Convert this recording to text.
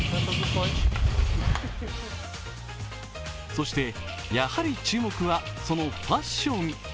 そして、やはり注目はそのファッション。